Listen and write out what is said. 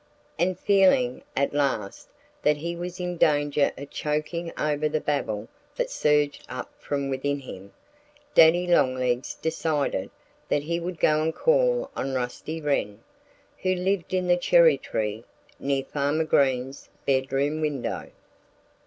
And feeling, at last, that he was in danger of choking over the babble that surged up from within him, Daddy Longlegs decided that he would go and call on Rusty Wren, who lived in the cherry tree near Farmer Green's bedroom window.